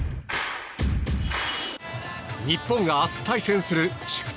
日本が明日対戦する宿敵